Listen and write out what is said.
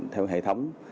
theo hệ thống